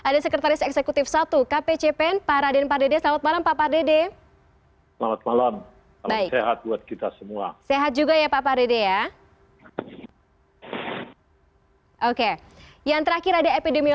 dan pak pak dede